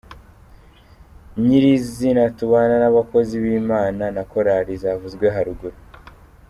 nyiri izinaTubana n’abakozi b’Imana na korali zavuzwe haruguru.